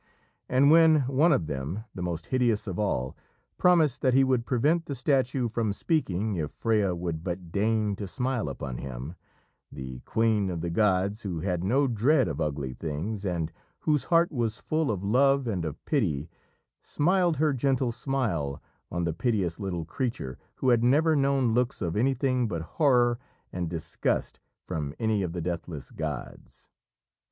And when one of them the most hideous of all promised that he would prevent the statue from speaking if Freya would but deign to smile upon him, the queen of the gods, who had no dread of ugly things, and whose heart was full of love and of pity, smiled her gentle smile on the piteous little creature who had never known looks of anything but horror and disgust from any of the deathless gods.